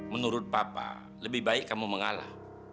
menurut papa lebih baik kamu mengalah